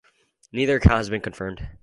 Neither account has been confirmed.